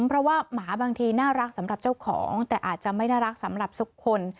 เพราะว่าหมาบางทีน่ารักสำหรับเจ้าของแต่อาจจะไม่น่ารักสำหรับทุกคน